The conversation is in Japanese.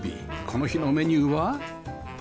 この日のメニューは